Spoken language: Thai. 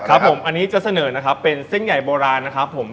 ครับผมอันนี้จะเสนอนะครับเป็นเส้นใหญ่โบราณนะครับผม